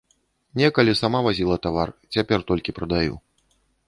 Некалі сама вазіла тавар, цяпер толькі прадаю.